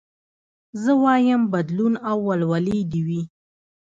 زه وايم بدلون او ولولې دي وي